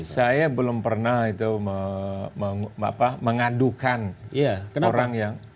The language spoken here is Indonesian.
saya belum pernah mengadukan orang yang